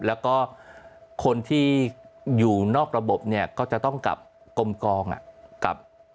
แล้วก็คนที่อยู่นอกระบบเนี่ยก็จะต้องกลับกลมกองกับ